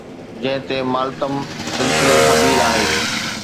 جنهن تي ماتم سلسلي سبيل آهي